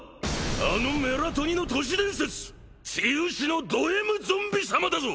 あのメラトニの都市伝説治癒士のドＭゾンビ様だぞ！